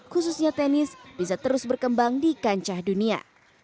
khususnya tenis bisa terus berkembang di kancah dunia